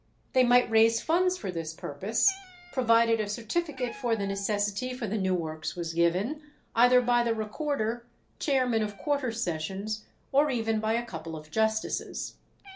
They might raise funds for this purpose, provided a certificate for the necessity for the new works was given, either by the recorder, chairman of quarter sessions, or even by a couple of justices.